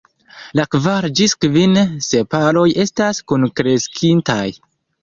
La kvar ĝis kvin sepaloj estas kunkreskintaj.